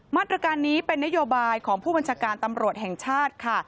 มาตรการนี้เป็นนโยบายของผู้บัญชาการตำรวจแห่งชาติค่ะ